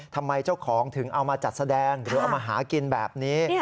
ทำไมเจ้าของถึงเอามาจัดแสดงหรือเอามาหากินแบบนี้